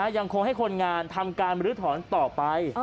ยังคงให้คนงานทำการบรื้อถอนต่อไป